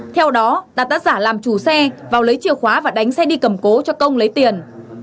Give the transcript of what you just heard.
theo đó đặt tác giả làm chủ xe vào lấy chìa khóa và đánh xe đi cầm cố cho công lấy tiền